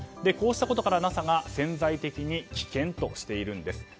こうしたことからＮＡＳＡが潜在的に危険としているんです。